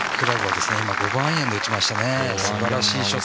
今、５番アイアンで打ちましたね。